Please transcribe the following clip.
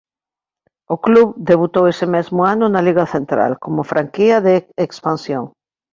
O club debutou ese mesmo ano na Liga Central como franquía de expansión.